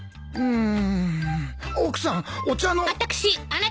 うん。